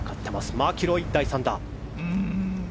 マキロイの第３打。